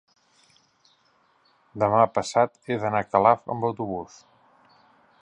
demà passat he d'anar a Calaf amb autobús.